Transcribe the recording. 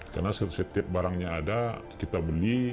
karena setiap barangnya ada kita beli